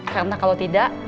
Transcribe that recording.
karena kalau tidak